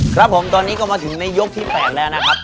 ครับผมตอนนี้ก็มาถึงในยกที่๘แล้วนะครับ